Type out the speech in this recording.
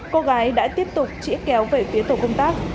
cô gái đã tiếp tục trĩa kéo về phía tổ công tác